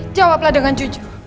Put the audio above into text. jawablah dengan jujur